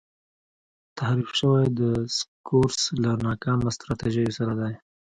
تحریف شوی دسکورس له ناکامه سټراټیژیو سره دی.